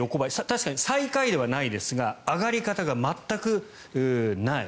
確かに最下位ではないですが上がり方が全くない。